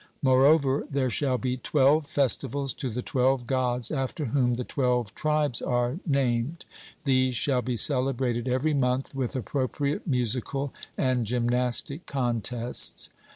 Moreover there shall be twelve festivals to the twelve Gods after whom the twelve tribes are named: these shall be celebrated every month with appropriate musical and gymnastic contests.